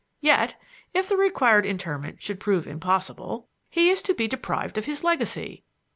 Yet, if the required interment should prove impossible, he is to be deprived of his legacy."